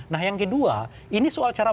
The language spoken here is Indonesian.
nah yang kedua ini soal cara